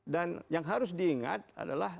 dan yang harus diingat adalah